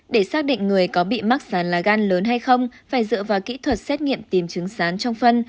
để xác định người có bị mắc sán lá gan lớn hay không phải dựa vào kỹ thuật xét nghiệm tìm chứng sán trong phân